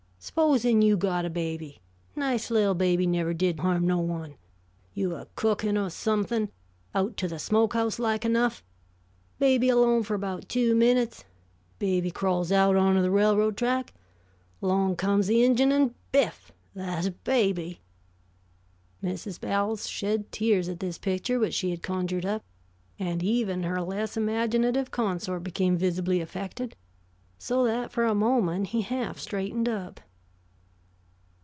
Supposin' you got a baby; nice little baby, never did harm no one. You a cookin' or somethin' out to the smoke house, like enough; baby alone for about two minutes. Baby crawls out on to the railroad track. Along comes the ingine, an' biff! Thah's baby!" Mrs. Bowles shed tears at this picture which she had conjured up, and even her less imaginative consort became visibly affected, so that for a moment he half straightened up.